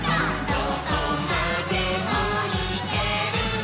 「どこまでもいけるぞ！」